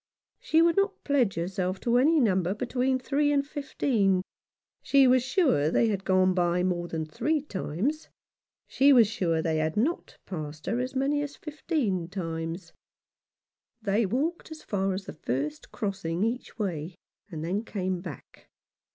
She would not pledge herself to any number between three and fifteen. She was sure they had gone by more than three times ; she was sure they had not passed her as many as fifteen times. They walked as far as the first crossing each way, and then came back.